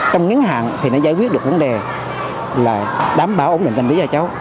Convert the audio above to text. để giải quyết được vấn đề là đảm bảo ổn định tâm lý cho cháu